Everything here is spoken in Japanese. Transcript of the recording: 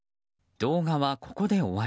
動画はここで終わり。